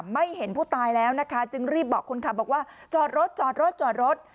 ไม่เห็นผู้ตายแล้วนะคะจึงรีบบอกคนขับบอกว่าจอดรถจอดรถจอดรถ